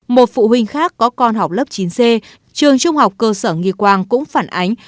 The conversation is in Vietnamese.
một phụ huynh khác có con học lớp chín c trường trung học cơ sở nghi quang cũng phản ánh